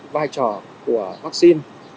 vai trò của vắc xin